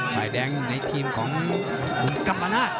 สายแดงในทีมของกุณฑ์กัปปะนาด